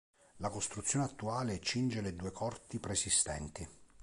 La costruzione attuale cinge le due corti preesistenti.